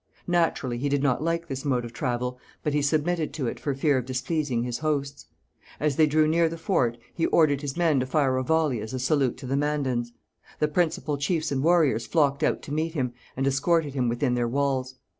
Naturally he did not like this mode of travel, but he submitted to it for fear of displeasing his hosts. As they drew near the fort, he ordered his men to fire a volley as a salute to the Mandans. The principal chiefs and warriors flocked out to meet him, and escorted him within their walls.